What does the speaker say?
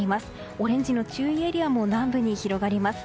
オレンジの注意エリアも南部に広がります。